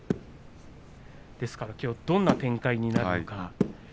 ですからきょうどんな展開になるか。